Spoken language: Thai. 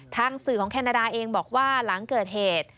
ทางสื่อของแคนาดาเองบอกว่าหลังเกิดเหตุ